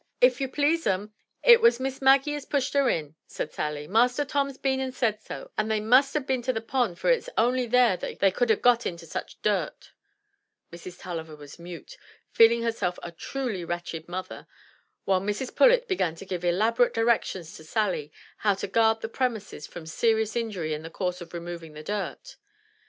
"If you please, 'um, it was Miss Maggie as pushed her in," said 236 THE TREASURE CHEST Sally. "Master Tom's been and said so, and they must ha* been to the pond for it's only there they could ha' got into such dirt." Mrs. Tulliver was mute, feeling herself a truly wretched mother, while Mrs. Pullet began to give elaborate directions to Sally how to guard the premises from serious injury in the course of removing the dirt.